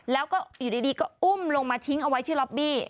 แล้วก็อยู่ดีก็อุ้มลงมาทิ้งเอาไว้ที่ล็อบบี้